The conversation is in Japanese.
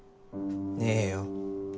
ねえよ。